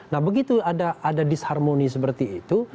nah begitu ada disharmoni seperti itu